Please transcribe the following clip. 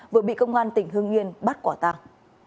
vừa bị công an tỉnh hương yên bắt quả tàng